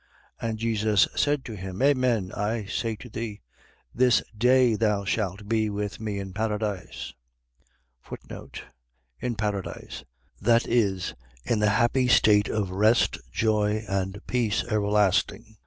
And Jesus said to him: Amen I say to thee: This day thou shalt be with me in paradise. In paradise. . .That is, in the happy state of rest, joy, and peace everlasting.